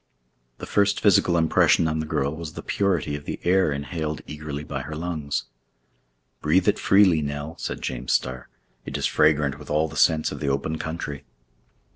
The first physical impression on the girl was the purity of the air inhaled eagerly by her lungs. "Breathe it freely, Nell," said James Starr; "it is fragrant with all the scents of the open country."